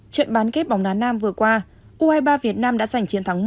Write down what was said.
trận bán kết bóng đá nam vừa qua u hai mươi ba việt nam đã giành chiến thắng một